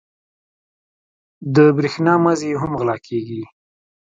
د برېښنا مزي یې هم غلا کېږي.